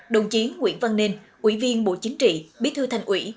đồng chí nguyễn văn nên ủy viên bộ chính trị bí thư thành ủy